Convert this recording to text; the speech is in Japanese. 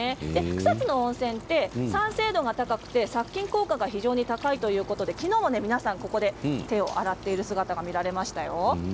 草津の温泉は酸性度が高くて殺菌効果が非常に高いということで皆さんも手を洗っている姿が見られましたよ。